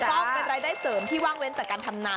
ต้องเป็นรายได้เสริมที่ว่างเว้นจากการทำนา